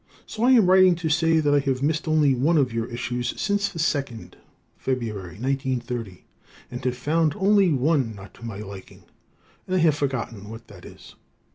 So I am writing to say that I have missed only one of your issues since the second, (Feb. 1930) and have found only one not to my liking, and I have forgotten what that is.